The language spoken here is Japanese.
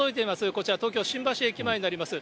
こちら、東京・新橋駅前になります。